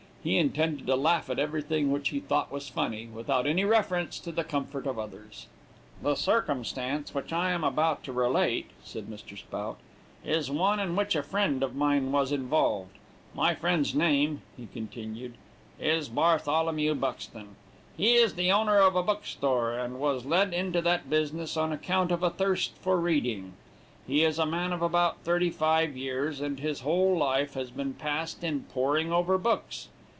He intended to laugh at everything which he thought was funny, without any reference to the comfort of others. "The circumstance which I am about to relate," said Mr. Spout, "is one in which a friend of mine was involved. My friend's name," he continued, "is Bartholomew Buxton. He is the owner of a book store, and was led into that business on account of a thirst for reading. He is a man of about thirty five years, and his whole life has been passed in poring over books.